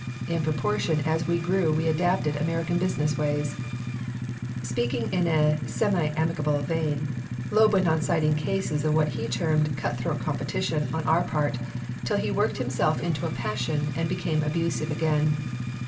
In proportion as we grew we adapted American business ways Speaking in a semi amicable vein, Loeb went on citing cases of what he termed cutthroat competition on our part, till he worked himself into a passion and became abusive again.